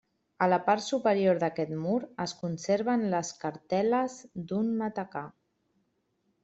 A la part superior d'aquest mur es conserven les cartel·les d'un matacà.